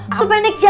aku pendek jabat